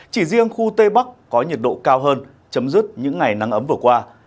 chỉ riêng khu tây bắc có nhiệt độ cao hơn chấm dứt những ngày nắng ấm vừa qua